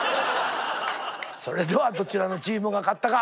それではどちらのチームが勝ったか。